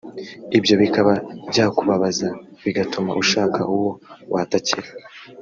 ibyo bikaba byakubabaza bigatuma ushaka uwo watakira